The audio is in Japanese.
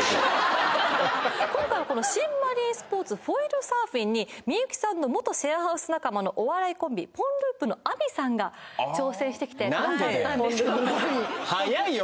今回のこの新マリンスポーツフォイルサーフィンに幸さんの元シェアハウス仲間のお笑いコンビポンループのアミさんが挑戦してきてくれたんですなんで？